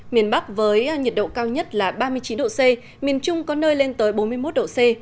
miền bắc với nhiệt độ cao nhất là ba mươi chín độ c miền trung có nơi lên tới bốn mươi một độ c